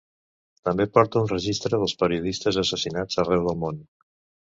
També porta un registre dels periodistes assassinats arreu del món.